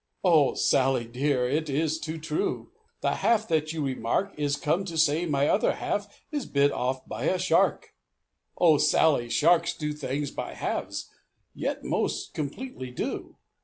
"Oh! Sally dear, it is too true, The half that you remark Is come to say my other half Is bit off by a shark! "Oh! Sally, sharks do things by halves, Yet most completely do!